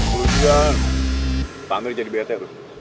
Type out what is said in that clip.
boleh juga pak amir jadi bat ya